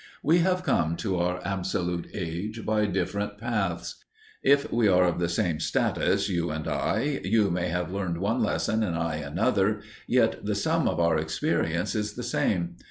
We have come to our Absolute Age by different paths. If we are of the same status, you and I, you may have learned one lesson and I another, yet the sum of our experience is the same.